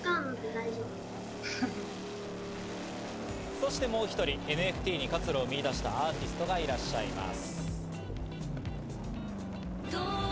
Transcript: そしてもう１人、ＮＦＴに活路を見いだしたアーティストがいらっしゃいます。